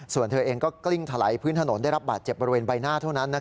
ส่วนเธอเองก็กลิ้งถลายพื้นถนนได้รับบาดเจ็บบริเวณใบหน้าเท่านั้น